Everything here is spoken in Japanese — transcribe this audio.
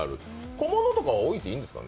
小物とかは置いていいんですか？